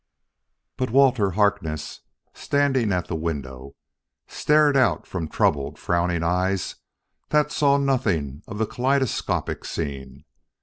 But Walter Harkness, standing at the window, stared out from troubled, frowning eyes that saw nothing of the kaleidoscopic scene.